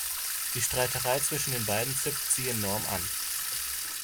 Die Streiterei zwischen den beiden zipft sie enorm an.